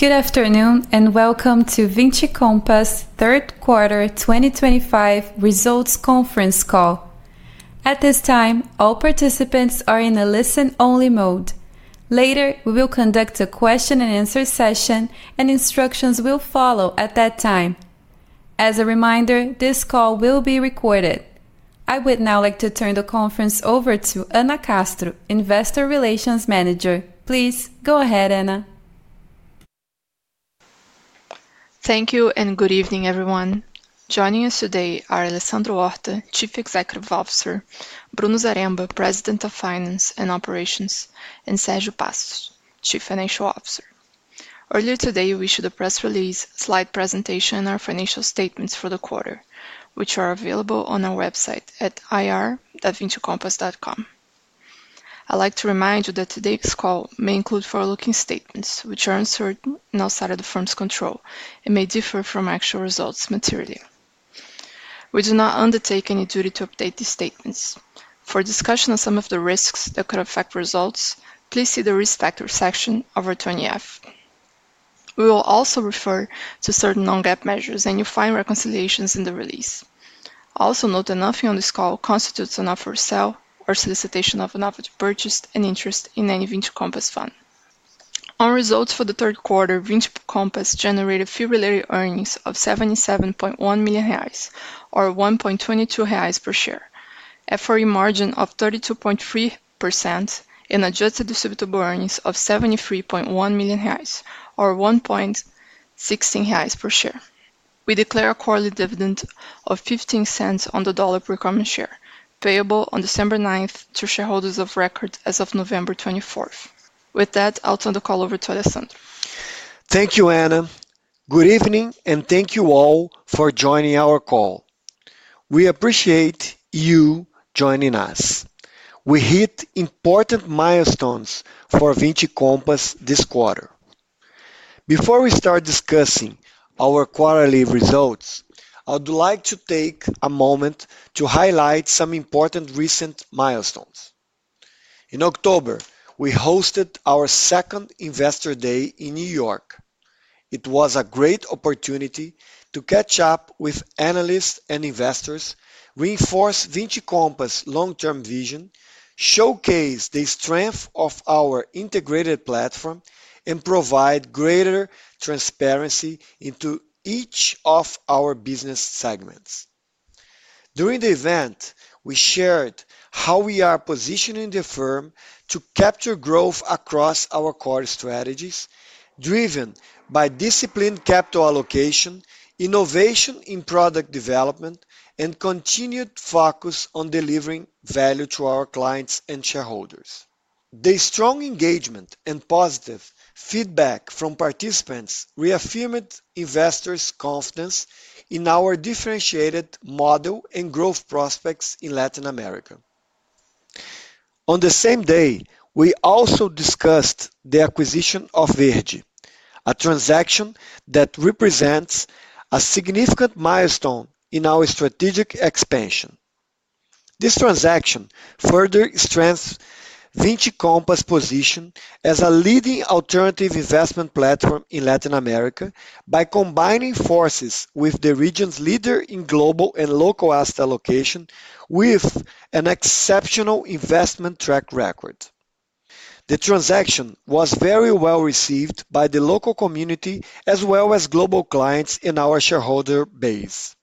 Good afternoon and welcome to Vinci Compass 3rd Quarter 2025 Results Conference Call. At this time, all participants are in a listen-only mode. Later, we will conduct a question-and-answer session, and instructions will follow at that time. As a reminder, this call will be recorded. I would now like to turn the conference over to Ana Castro, Investor Relations Manager. Please go ahead, Ana. Thank you and good evening, everyone. Joining us today are Alessandro Horta, Chief Executive Officer; Bruno Zaremba, President of Finance and Operations; and Sérgio Passos, Chief Financial Officer. Earlier today, we issued a press release, slide presentation, and our financial statements for the quarter, which are available on our website at ir.vincicompass.com. I'd like to remind you that today's call may include forward-looking statements, which are uncertain outside of the firm's control and may differ from actual results materially. We do not undertake any duty to update these statements. For discussion of some of the risks that could affect results, please see the Risk Factor section of our 20F. We will also refer to certain non-GAAP measures, and you'll find reconciliations in the release. Also, note that nothing on this call constitutes an offer to sell or solicitation of an offer to purchase an interest in any Vinci Compass fund. On results for the third quarter, Vinci Compass generated a February earnings of 77.1 million reais, or 1.22 reais per share, FRE margin of 32.3%, and adjusted distributable earnings of 73.1 million reais, or 1.16 reais per share. We declare a quarterly dividend of $0.15 on the dollar per common share, payable on December 9th to shareholders of record as of November 24th. With that, I'll turn the call over to Alessandro. Thank you, Ana. Good evening and thank you all for joining our call. We appreciate you joining us. We hit important milestones for Vinci Compass this quarter. Before we start discussing our quarterly results, I would like to take a moment to highlight some important recent milestones. In October, we hosted our second Investor Day in New York. It was a great opportunity to catch up with Analysts and Investors, reinforce Vinci Compass's long-term vision, showcase the strength of our integrated platform, and provide greater transparency into each of our business segments. During the event, we shared how we are positioning the firm to capture growth across our core strategies, driven by disciplined capital allocation, innovation in product development, and continued focus on delivering value to our clients and shareholders. The strong engagement and positive feedback from participants reaffirmed investors' confidence in our differentiated model and growth prospects in Latin America. On the same day, we also discussed the acquisition of Verde, a transaction that represents a significant milestone in our strategic expansion. This transaction further strengthens Vinci Compass's position as a leading alternative investment platform in Latin America by combining forces with the region's leader in global and local asset allocation with an exceptional investment track record. The transaction was very well received by the local community as well as global clients and our shareholder base.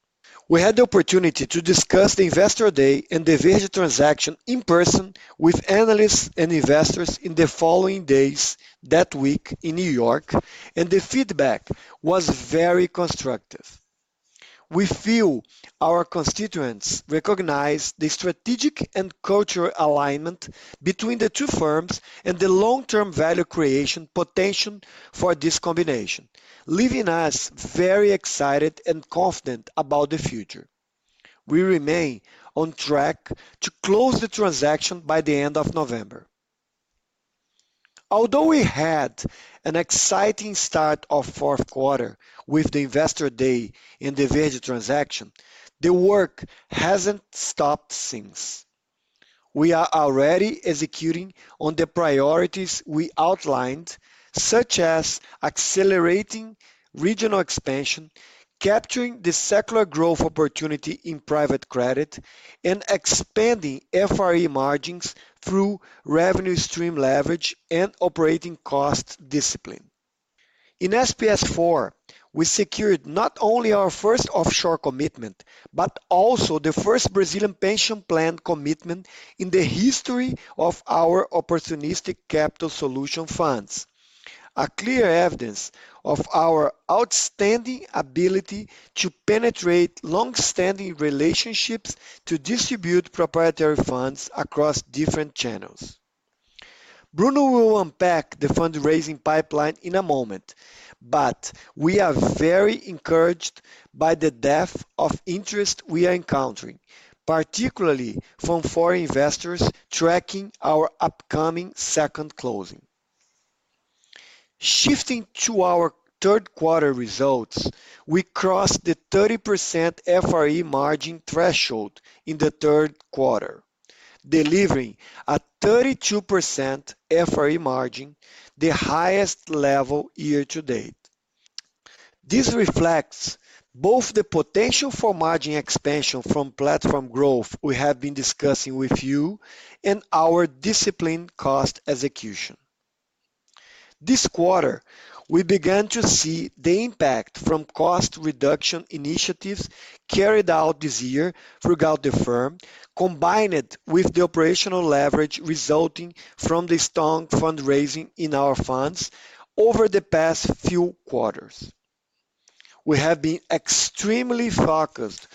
We had the opportunity to discuss the Investor Day and the Verde transaction in person with analysts and investors in the following days that week in New York, and the feedback was very constructive. We feel our constituents recognize the strategic and cultural alignment between the two firms and the long-term value creation potential for this combination, leaving us very excited and confident about the future. We remain on track to close the transaction by the end of November. Although we had an exciting start of fourth quarter with the Investor Day and the Verde transaction, the work has not stopped since. We are already executing on the priorities we outlined, such as accelerating regional expansion, capturing the secular growth opportunity in private credit, and expanding FRE margins through revenue stream leverage and operating cost discipline. In SPS4, we secured not only our first offshore commitment but also the first Brazilian pension plan commitment in the history of our opportunistic capital solution funds, a clear evidence of our outstanding ability to penetrate long-standing relationships to distribute proprietary funds across different channels. Bruno will unpack the fundraising pipeline in a moment, but we are very encouraged by the depth of interest we are encountering, particularly from foreign investors tracking our upcoming second closing. Shifting to our third quarter results, we crossed the 30% FRE margin threshold in the third quarter, delivering a 32% FRE margin, the highest level year-to-date. This Reflects both the potential for margin expansion from platform growth we have been discussing with you and our disciplined cost execution. This quarter, we began to see the impact from cost reduction initiatives carried out this year throughout the firm, combined with the operational leverage resulting from the strong fundraising in our funds over the past few quarters. We have been extremely focused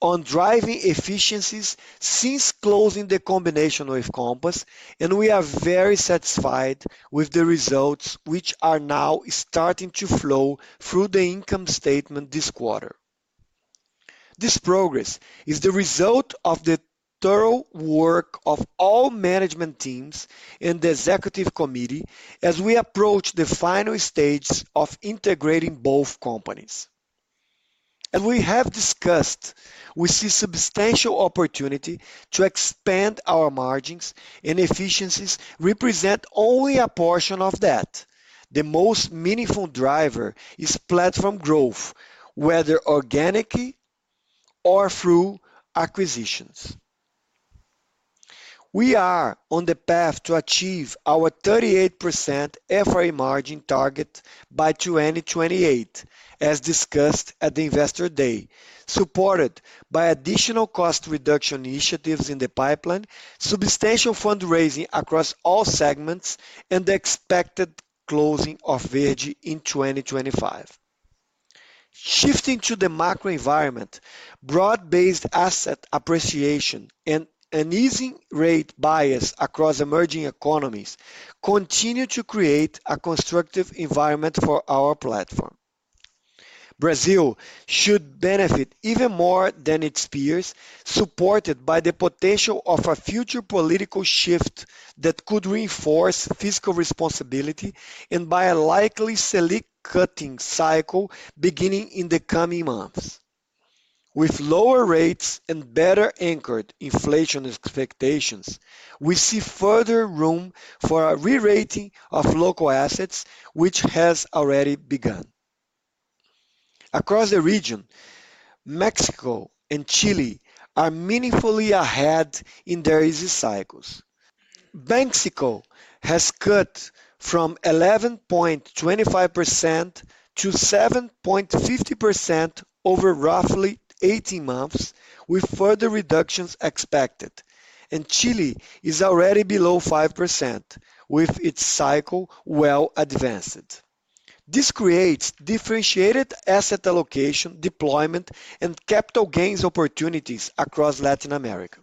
on driving efficiencies since closing the combination with Compass, and we are very satisfied with the results, which are now starting to flow through the income statement this quarter. This progress is the result of the thorough work of all management teams and the Executive Committee as we approach the final stage of integrating both companies. As we have discussed, we see substantial opportunity to expand our margins, and efficiencies represent only a portion of that. The most meaningful driver is platform growth, whether organically or through acquisitions. We are on the path to achieve our 38% FRE margin target by 2028, as discussed at the Investor Day, supported by additional cost reduction initiatives in the pipeline, substantial fundraising across all segments, and the expected closing of Verde in 2025. Shifting to the macro environment, broad-based asset appreciation and an easing rate bias across emerging economies continue to create a constructive environment for our platform. Brazil should benefit even more than its peers, supported by the potential of a future political shift that could reinforce fiscal responsibility and by a likely Selic-cutting cycle beginning in the coming months. With lower rates and better-anchored inflation expectations, we see further room for a re-rating of local assets, which has already begun. Across the region, Mexico and Chile are meaningfully ahead in their easy cycles. Mexico has cut from 11.25% to 7.50% over roughly 18 months, with further reductions expected, and Chile is already below 5%, with its cycle well advanced. This creates differentiated asset allocation deployment and capital gains opportunities across Latin America.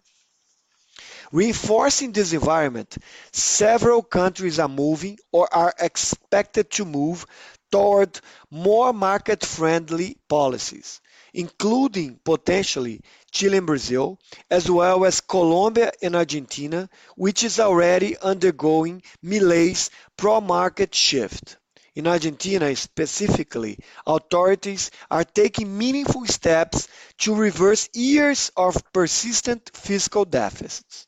Reinforcing this environment, several countries are moving or are expected to move toward more market-friendly policies, including potentially Chile and Brazil, as well as Colombia and Argentina, which is already undergoing Milei's pro-market shift. In Argentina specifically, authorities are taking meaningful steps to reverse years of persistent fiscal deficits.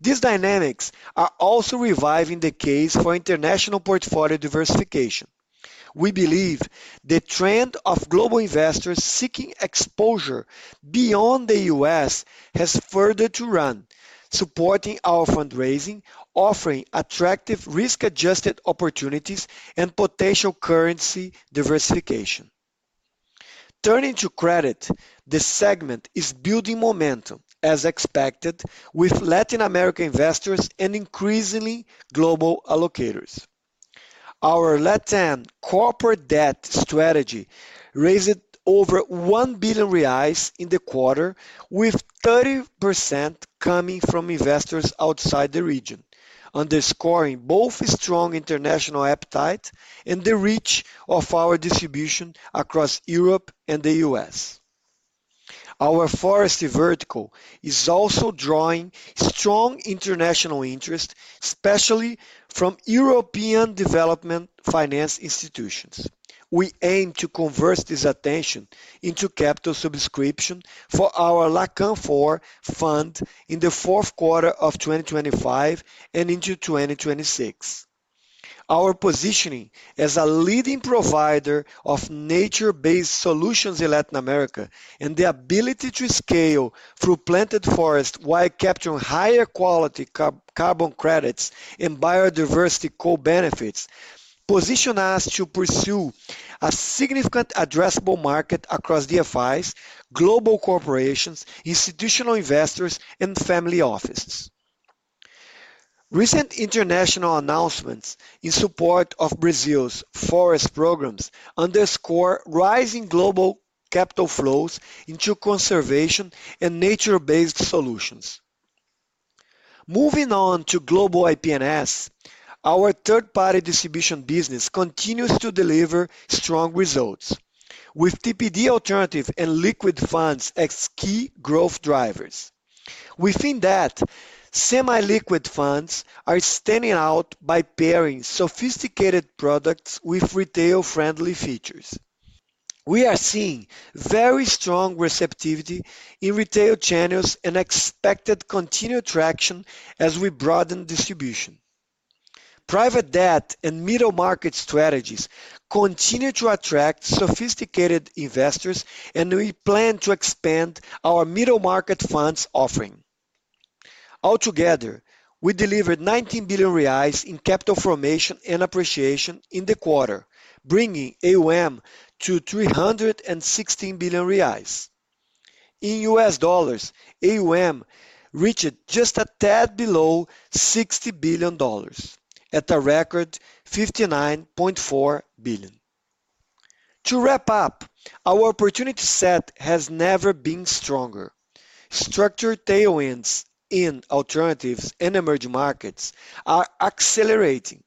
These dynamics are also reviving the case for international portfolio diversification. We believe the trend of global investors seeking exposure beyond the U.S. has further to run, supporting our fundraising, offering attractive risk-adjusted opportunities and potential currency diversification. Turning to credit, the segment is building momentum, as expected, with Latin American investors and increasingly global allocators. Our LATAM corporate debt strategy raised over 1 billion reais in the quarter, with 30% coming from investors outside the region, underscoring both strong international appetite and the reach of our distribution across Europe and the U.S. Our forest vertical is also drawing strong international interest, especially from European development finance institutions. We aim to convert this attention into capital subscription for our LACAM4 fund in the fourth quarter of 2025 and into 2026. Our positioning as a leading provider of nature-based solutions in Latin America and the ability to scale through planted forests while capturing higher quality carbon credits and biodiversity co-benefits position us to pursue a significant addressable market across DFIs, global corporations, institutional investors, and family offices. Recent international announcements in support of Brazil's forest programs underscore rising global capital flows into conservation and nature-based solutions. Moving on to global IP&S, our third-party distribution business continues to deliver strong results, with TPD alternative and liquid funds as key growth drivers. Within that, semi-liquid funds are standing out by pairing sophisticated products with retail-friendly features. We are seeing very strong receptivity in retail channels and expected continued traction as we broaden distribution. Private debt and middle market strategies continue to attract sophisticated investors, and we plan to expand our middle market funds offering. Altogether, we delivered 19 billion reais in capital formation and appreciation in the quarter, bringing AUM to 316 billion reais. In U.S. dollars, AUM reached just a tad below $60 billion, at a record $59.4 billion. To wrap up, our opportunity set has never been stronger. Structured tailwinds in alternatives and emerging markets are accelerating,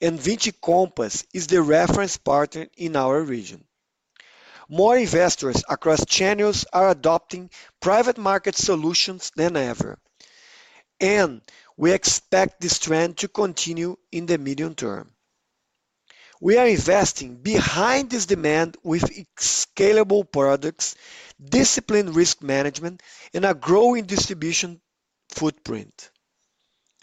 and Vinci Compass is the reference partner in our region. More investors across channels are adopting private market solutions than ever, and we expect this trend to continue in the medium term. We are investing behind this demand with scalable products, disciplined risk management, and a growing distribution footprint.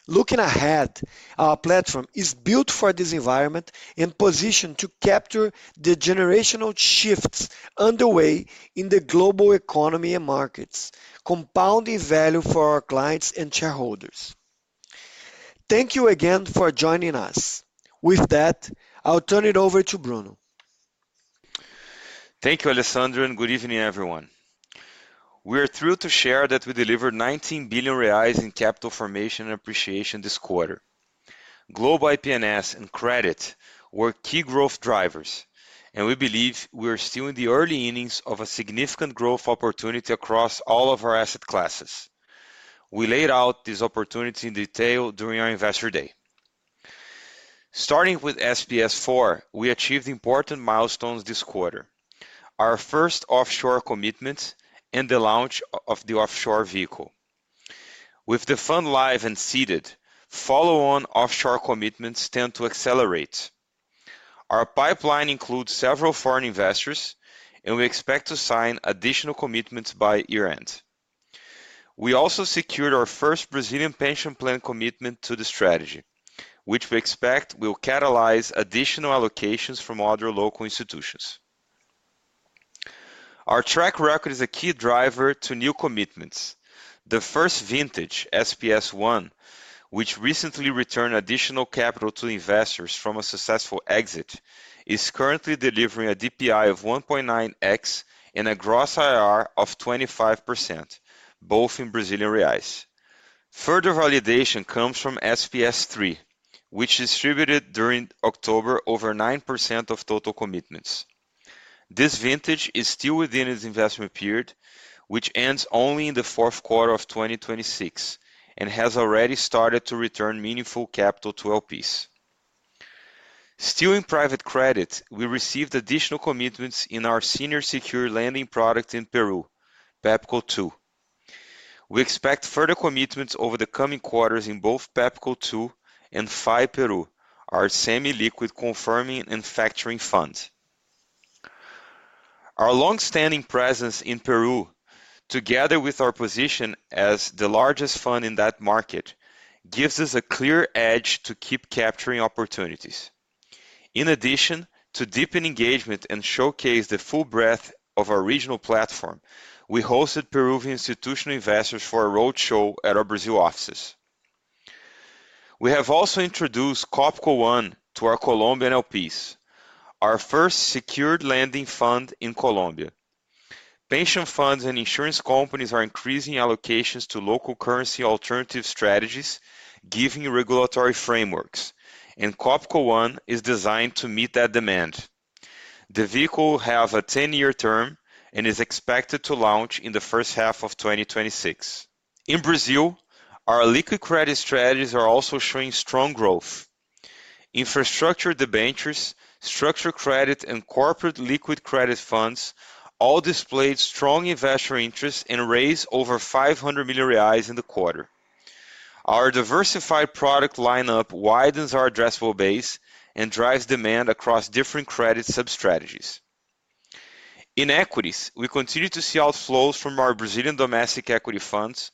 Looking ahead, our platform is built for this environment and positioned to capture the generational shifts underway in the global economy and markets, compounding value for our clients and shareholders. Thank you again for joining us. With that, I'll turn it over to Bruno. Thank you, Alessandro, and good evening, everyone. We are thrilled to share that we delivered 19 billion reais in capital formation and appreciation this quarter. Global IP&S and credit were key growth drivers, and we believe we are still in the early innings of a significant growth opportunity across all of our asset classes. We laid out this opportunity in detail during our Investor Day. Starting with SPS4, we achieved important milestones this quarter: our first offshore commitment and the launch of the offshore vehicle. With the fund live and seeded, follow-on offshore commitments tend to accelerate. Our pipeline includes several foreign investors, and we expect to sign additional commitments by year-end. We also secured our first Brazilian pension plan commitment to the strategy, which we expect will catalyze additional allocations from other local institutions. Our track record is a key driver to new commitments. The first vintage, SPS1, which recently returned additional capital to investors from a successful exit, is currently delivering a DPI of 1.9x and a gross IRR of 25%, both in BRL. Further validation comes from SPS3, which distributed during October over 9% of total commitments. This Vintage is still within its investment period, which ends only in the fourth quarter of 2026 and has already started to return meaningful capital to LPs. Still in private credit, we received additional commitments in our senior secure lending product in Peru, PEPCO2. We expect further commitments over the coming quarters in both PEPCO2 and FI Peru, our semi-liquid confirming and factoring fund. Our long-standing presence in Peru, together with our position as the largest fund in that market, gives us a clear edge to keep capturing opportunities. In addition to deepen engagement and showcase the full breadth of our regional platform, we hosted Peruvian institutional investors for a roadshow at our Brazil offices. We have also introduced Coppe One to our Colombian LPs, our first secured lending fund in Colombia. Pension funds and insurance companies are increasing allocations to local currency alternative strategies, giving regulatory frameworks, and Coppe One is designed to meet that demand. The vehicle will have a 10-year term and is expected to launch in the first half of 2026. In Brazil, our liquid credit strategies are also showing strong growth. Infrastructure debentures, structured credit, and corporate liquid credit funds all displayed strong investor interest and raised over 500 million reais in the quarter. Our diversified product lineup widens our addressable base and drives demand across different credit sub-strategies. In equities, we continue to see outflows from our Brazilian domestic equity funds,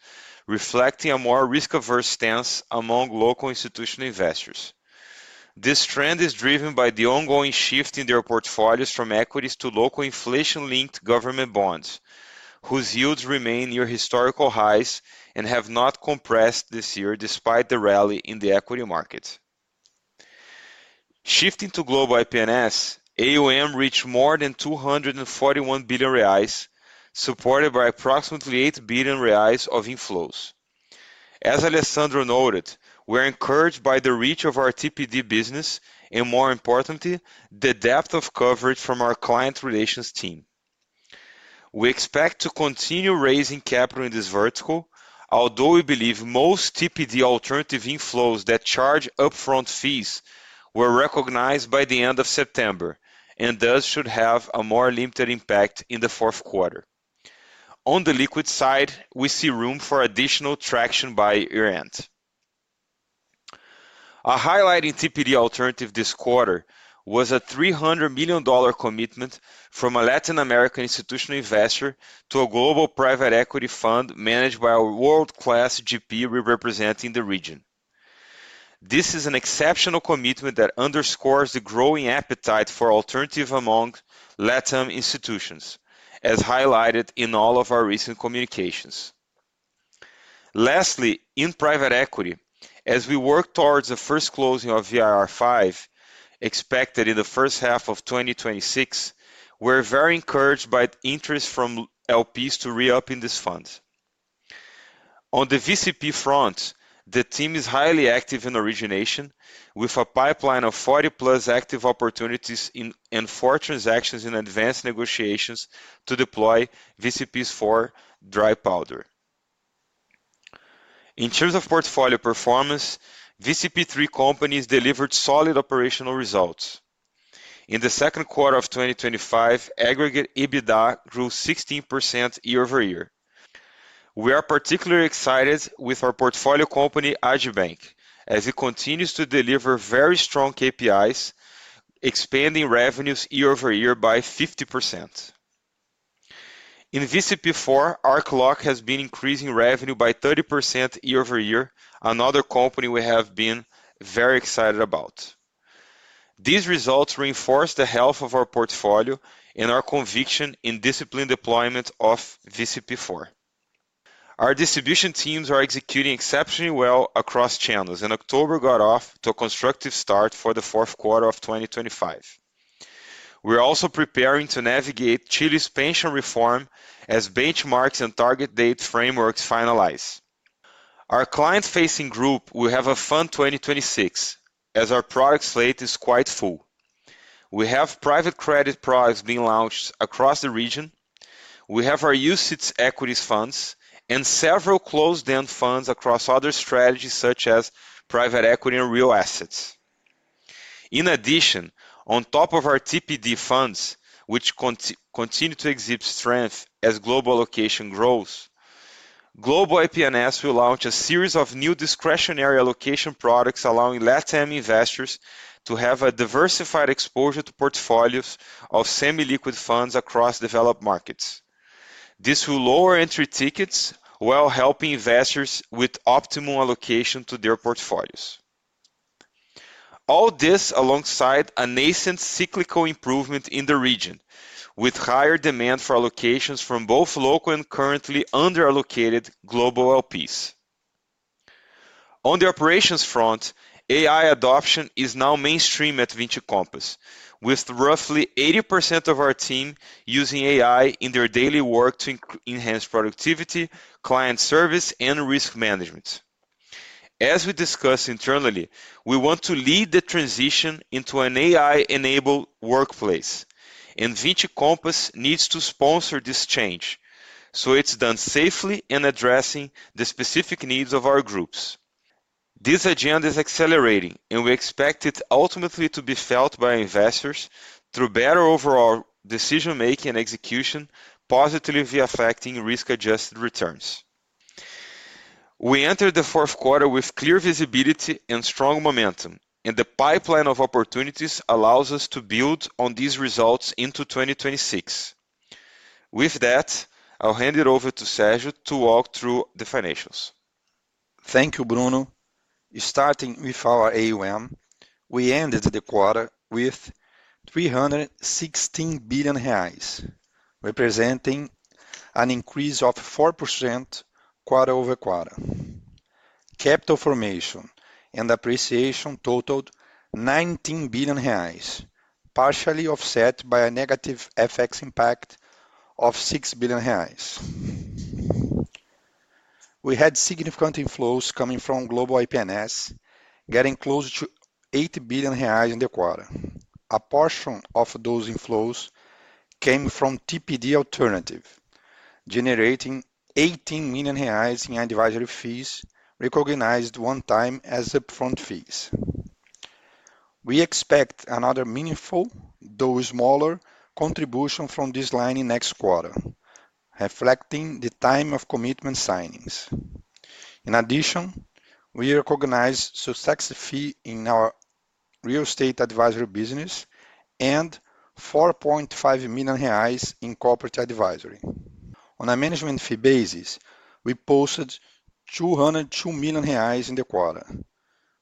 reflecting a more risk-averse stance among local institutional investors. This trend is driven by the ongoing shift in their portfolios from equities to local inflation-linked government bonds, whose yields remain near historical highs and have not compressed this year despite the rally in the equity market. Shifting to global IP&S, AUM reached more than 241 billion reais, supported by approximately 8 billion reais of inflows. As Alessandro noted, we are encouraged by the reach of our TPD business and, more importantly, the depth of coverage from our client relations team. We expect to continue raising capital in this vertical, although we believe most TPD alternative inflows that charge upfront fees were recognized by the end of September and thus should have a more limited impact in the fourth quarter. On the liquid side, we see room for additional traction by year-end. A highlight in TPD alternative this quarter was a $300 million commitment from a Latin American institutional investor to a global private equity fund managed by a world-class GP representing the region. This is an exceptional commitment that underscores the growing appetite for alternative among LATAM institutions, as highlighted in all of our recent communications. Lastly, in private equity, as we work towards the first closing of VIR5, expected in the first half of 2026, we're very encouraged by interest from LPs to re-up in this fund. On the VCP front, the team is highly active in origination, with a pipeline of 40+ active opportunities and four transactions in advanced negotiations to deploy VCPs for Dry Powder. In terms of portfolio performance, VCP3 companies delivered solid operational results. In the second quarter of 2025, aggregate EBITDA grew 16% Year-on-Year. We are particularly excited with our portfolio company, AGI Bank, as it continues to deliver very strong KPIs, expanding revenues Year-on-Year by 50%. In VCP4, ArcLock has been increasing revenue by 30% Year-on-Year, another company we have been very excited about. These results reinforce the health of our portfolio and our conviction in disciplined deployment of VCP4. Our distribution teams are executing exceptionally well across channels, and October got off to a constructive start for the fourth quarter of 2025. We are also preparing to navigate Chile's pension reform as benchmarks and target date frameworks finalize. Our client-facing group will have a fun 2026, as our product slate is quite full. We have private credit products being launched across the region. We have our UCITS Equities Funds and several closed-end funds across other strategies such as private equity and real assets. In addition, on top of our TPD funds, which continue to exhibit strength as global allocation grows, global IP&S will launch a series of new discretionary allocation products allowing LATAM investors to have a diversified exposure to portfolios of semi-liquid funds across developed markets. This will lower entry tickets while helping investors with optimum allocation to their portfolios. All this alongside a Nascent cyclical improvement in the region, with higher demand for allocations from both local and currently under-allocated global LPs. On the operations front, AI adoption is now mainstream at Vinci Compass, with roughly 80% of our team using AI in their daily work to enhance productivity, client service, and risk management. As we discussed internally, we want to lead the transition into an AI-enabled workplace, and Vinci Compass needs to sponsor this change, so it is done safely and addressing the specific needs of our groups. This agenda is accelerating, and we expect it ultimately to be felt by investors through better overall decision-making and execution, positively affecting risk-adjusted returns. We entered the fourth quarter with clear visibility and strong momentum, and the pipeline of opportunities allows us to build on these results into 2026. With that, I will hand it over to Sérgio to walk through the financials. Thank you, Bruno. Starting with our AUM, we ended the quarter with 316 billion reais, representing an increase of 4% quarter over quarter. Capital formation and appreciation totaled 19 billion reais, partially offset by a negative FX impact of 6 billion reais. We had significant inflows coming from global IP&S, getting close to 8 billion reais in the quarter. A portion of those inflows came from TPD alternative, generating 18 million reais in advisory fees recognized one time as upfront fees. We expect another meaningful, though smaller, contribution from this line in next quarter, reflecting the time of commitment signings. In addition, we recognize success fee in our real estate advisory business and 4.5 million reais in corporate advisory. On a management fee basis, we posted 202 million reais in the quarter.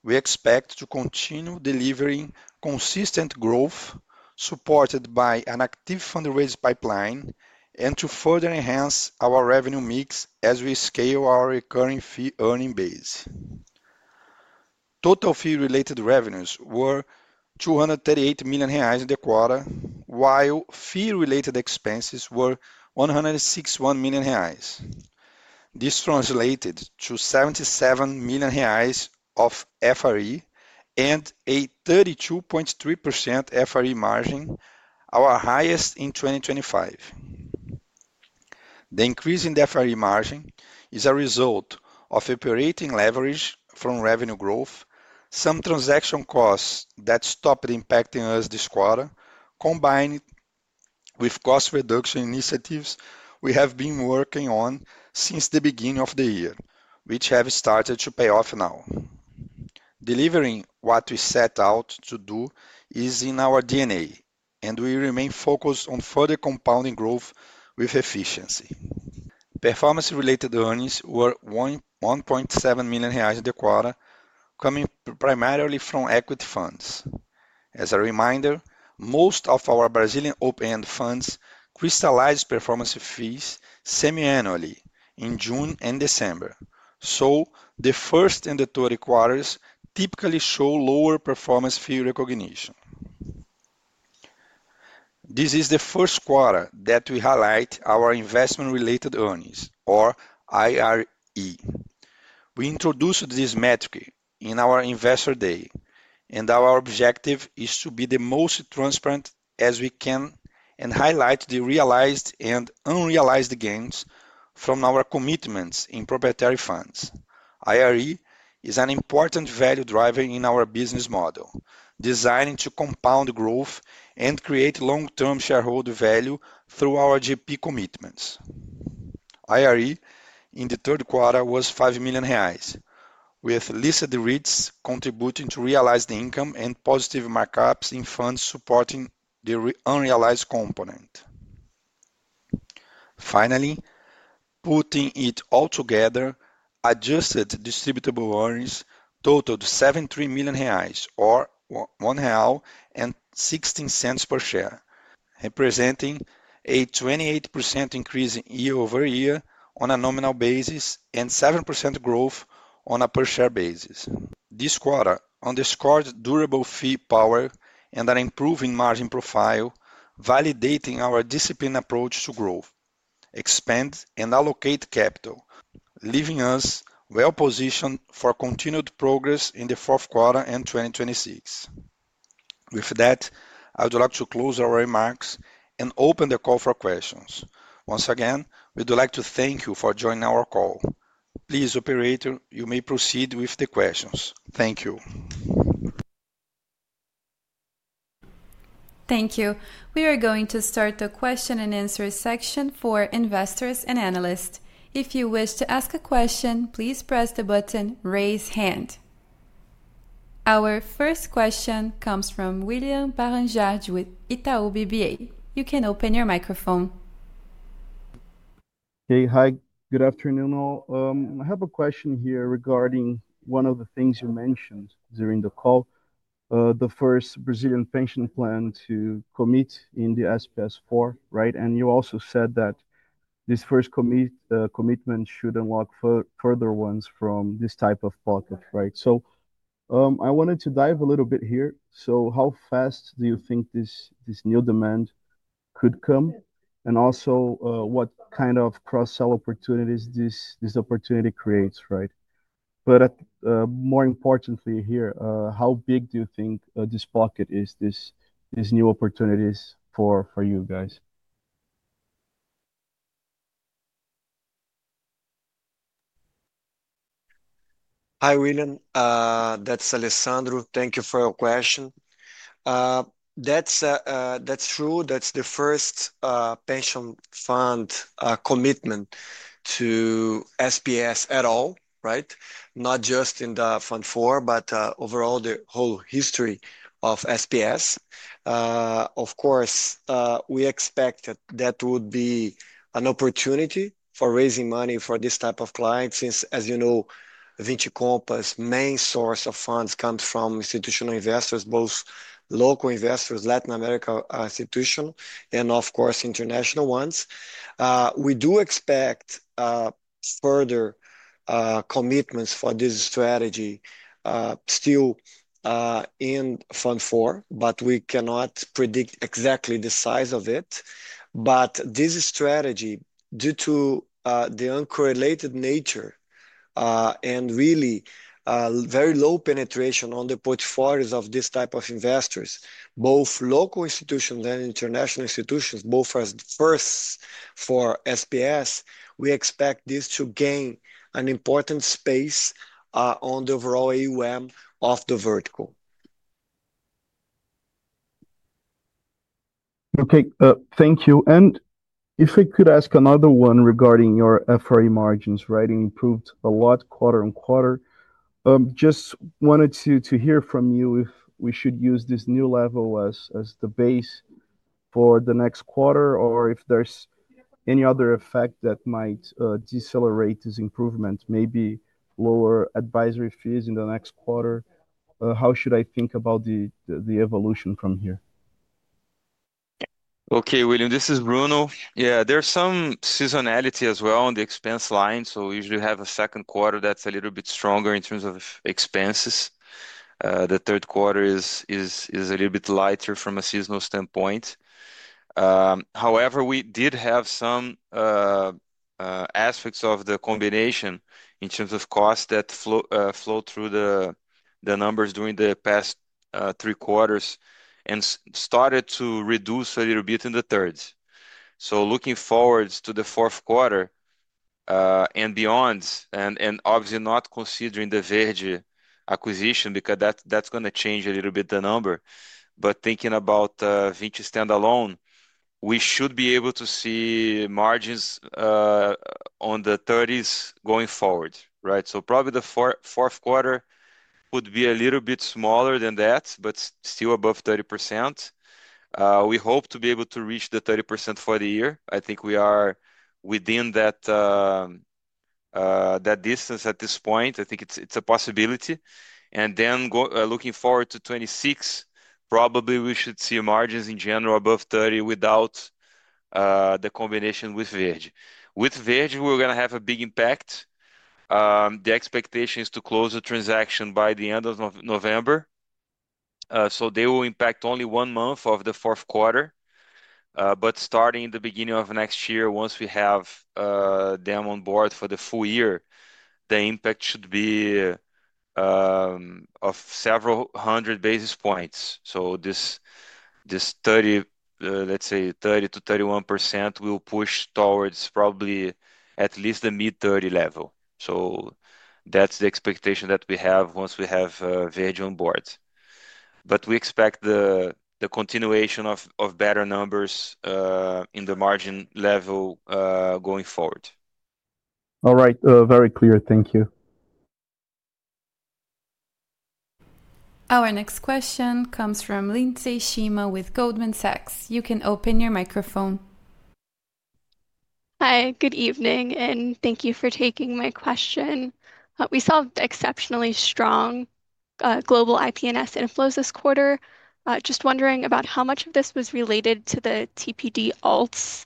We expect to continue delivering consistent growth supported by an active fundraising pipeline and to further enhance our revenue mix as we scale our recurring fee earning base. Total fee-related revenues were 238 million reais in the quarter, while fee-related expenses were 161 million reais. This translated to 77 million reais of FRE and a 32.3% FRE margin, our highest in 2025. The increase in the FRE margin is a result of operating leverage from revenue growth, some transaction costs that stopped impacting us this quarter, combined with cost reduction initiatives we have been working on since the beginning of the year, which have started to pay off now. Delivering what we set out to do is in our DNA, and we remain focused on further compounding growth with efficiency. Performance-related earnings were 1.7 million reais in the quarter, coming primarily from equity funds. As a reminder, most of our Brazilian open-end funds crystallize performance fees semi-annually in June and December, so the first and the third quarters typically show lower performance fee recognition. This is the first quarter that we highlight our investment-related earnings, or IRE. We introduced this metric in our Investor Day, and our objective is to be the most transparent as we can and highlight the realized and unrealized gains from our commitments in proprietary funds. IRE is an important value driver in our business model, designed to compound growth and create long-term shareholder value through our GP commitments. IRE in the third quarter was 5 million reais, with listed REITs contributing to realized income and positive markups in funds supporting the unrealized component. Finally, putting it all together, adjusted distributable earnings totaled 73 million reais, or 1.16 real per share, representing a 28% increase Year-on-Year on a nominal basis and 7% growth on a per-share basis. This quarter underscored durable fee power and an improving margin profile, validating our disciplined approach to growth, expand, and allocate capital, leaving us well-positioned for continued progress in the fourth quarter and 2026. With that, I would like to close our remarks and open the call for questions. Once again, we'd like to thank you for joining our call. Please, Operator, you may proceed with the questions. Thank you. Thank you. We are going to start the question and answer section for Investors and Analysts. If you wish to ask a question, please press the button "Raise Hand." Our first question comes from William Barranjard with Itaú BBA. You can open your microphone. Hey, hi, good afternoon. I have a question here regarding one of the things you mentioned during the call, the first Brazilian pension plan to commit in the SPS4, right? And you also said that this first commitment should unlock further ones from this type of pocket, right? I wanted to dive a little bit here. How fast do you think this new demand could come? Also, what kind of cross-sell opportunities does this opportunity create, right? More importantly here, how big do you think this pocket is, these new opportunities for you guys? Hi, William. That is Alessandro. Thank you for your question. That is true. That is the first pension fund commitment to SPS at all, right? Not just in Fund 4, but overall the whole history of SPS. Of course, we expected that would be an opportunity for raising money for this type of client since, as you know, Vinci Compass's main source of funds comes from institutional investors, both local investors, Latin American institutions, and of course, international ones. We do expect further commitments for this strategy still in Fund 4, but we cannot predict exactly the size of it. But this strategy, due to the uncorrelated nature and really very low penetration on the portfolios of this type of investors, both local institutions and international institutions, both as firsts for SPS, we expect this to gain an important space on the overall AUM of the vertical. Okay, thank you. If I could ask another one regarding your FRE margins, right? It improved a lot quarter on quarter. Just wanted to hear from you if we should use this new level as the base for the next quarter or if there's any other effect that might decelerate this improvement, maybe lower advisory fees in the next quarter. How should I think about the evolution from here? Okay, William, this is Bruno. Yeah, there's some seasonality as well on the expense line. Usually you have a second quarter that's a little bit stronger in terms of expenses. The third quarter is a little bit lighter from a Seasonal standpoint. However, we did have some aspects of the combination in terms of costs that flowed through the numbers during the past three quarters and started to reduce a little bit in the third. Looking forward to the fourth quarter and beyond, and obviously not considering the Verde acquisition because that is going to change a little bit the number. Thinking about Vinci standalone, we should be able to see margins on the 30s going forward, right? Probably the fourth quarter would be a little bit smaller than that, but still above 30%. We hope to be able to reach the 30% for the year. I think we are within that distance at this point. I think it is a possibility. Looking forward to 2026, probably we should see margins in general above 30% without the combination with Verde. With Verde, we are going to have a big impact. The expectation is to close the transaction by the end of November. They will impact only one month of the fourth quarter. Starting in the beginning of next year, once we have them on board for the full year, the impact should be of several hundred basis points. This 30-31% will push towards probably at least the mid-30% level. That is the expectation that we have once we have Verde on board. We expect the continuation of better numbers in the margin level going forward. All right, very clear. Thank you. Our next question comes from Lindsey Shema with Goldman Sachs. You can open your microphone. Hi, good evening, and thank you for taking my question. We saw exceptionally strong global IP&S inflows this quarter. Just wondering about how much of this was related to the TPD alts.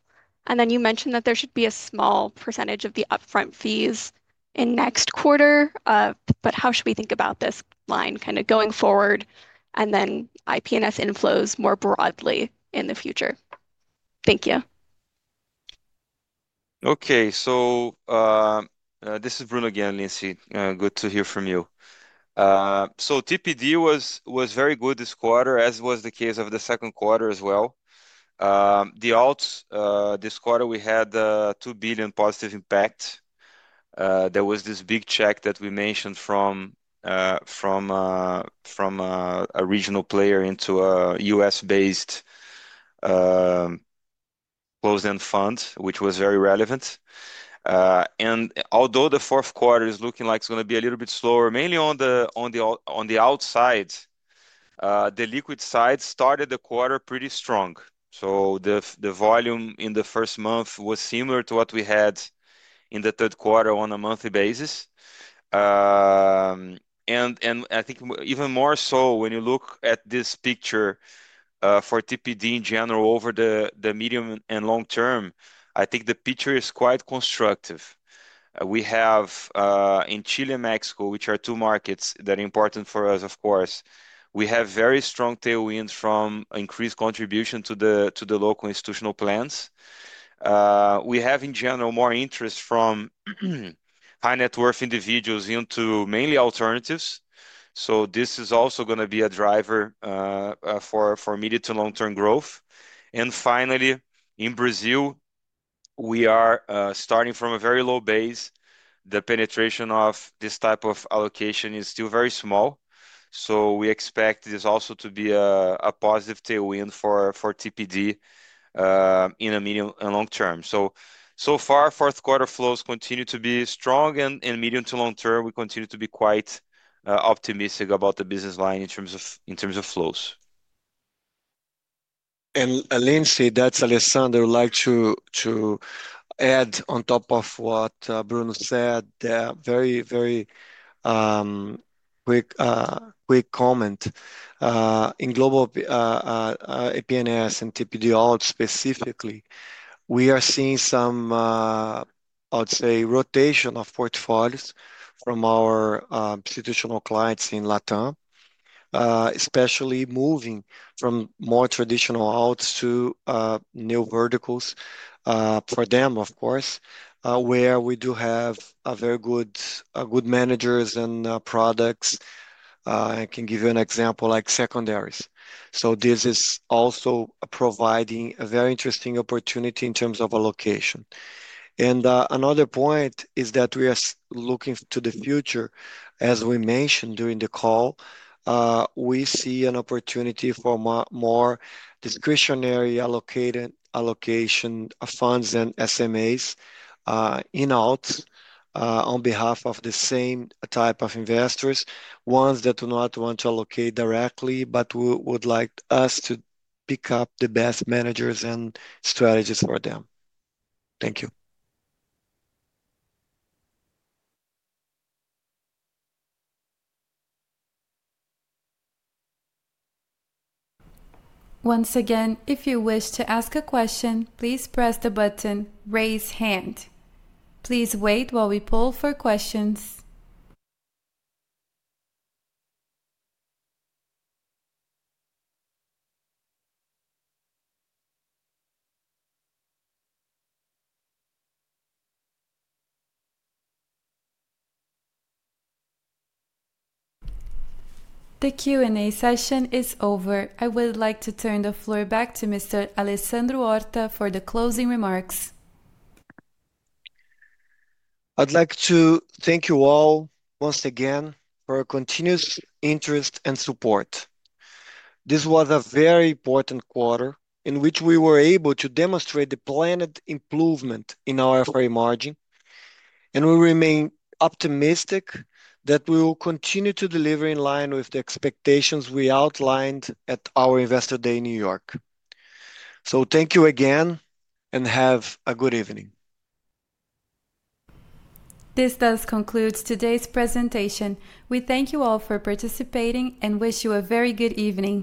You mentioned that there should be a small percentage of the upfront fees in next quarter. How should we think about this line kind of going forward and then IP&S inflows more broadly in the future? Thank you. Okay, this is Bruno again, Linsei. Good to hear from you. TPD was very good this quarter, as was the case of the second quarter as well. The alts this quarter, we had a $2 billion positive impact. There was this big check that we mentioned from a regional player into a US-based closed-end fund, which was very relevant. Although the fourth quarter is looking like it is going to be a little bit slower, mainly on the outside, the liquid side started the quarter pretty strong. The volume in the first month was similar to what we had in the third quarter on a monthly basis. I think even more so when you look at this picture for TPD in general over the medium and long term, the picture is quite constructive. We have in Chile and Mexico, which are two markets that are important for us, of course, very strong tailwinds from increased contribution to the local institutional plans. We have in general more interest from high-net-worth individuals into mainly alternatives. This is also going to be a driver for medium to long-term growth. Finally, in Brazil, we are starting from a very low base. The penetration of this type of allocation is still very small. We expect this also to be a positive tailwind for TPD in a medium and long term. So far, fourth quarter flows continue to be strong and medium to long term, we continue to be quite optimistic about the business line in terms of flows. Lindsey, that's Alessandro would like to add on top of what Bruno said, a very, very quick comment. In global IP&S and TPD alts specifically, we are seeing some, I would say, rotation of portfolios from our institutional clients in Latin America, especially moving from more traditional alts to new verticals for them, of course, where we do have very good managers and products. I can give you an example like secondaries. This is also providing a very interesting opportunity in terms of allocation. Another point is that we are looking to the future. As we mentioned during the call, we see an opportunity for more discretionary allocation of funds and SMAs in alts on behalf of the same type of investors, ones that do not want to allocate directly, but would like us to pick up the best managers and strategies for them. Thank you. Once again, if you wish to ask a question, please press the button "Raise Hand." Please wait while we pull for questions. The Q&A session is over. I would like to turn the floor back to Mr. Alessandro Horta for the closing remarks. I'd like to thank you all once again for your continuous interest and support. This was a very important quarter in which we were able to demonstrate the planned Improvement in our FRE margin. We remain optimistic that we will continue to deliver in line with the expectations we outlined at our Investor Day in New York. Thank you again and have a good evening. This does conclude today's presentation. We thank you all for participating and wish you a very good evening.